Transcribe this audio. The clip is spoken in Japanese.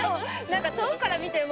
遠くから見ても。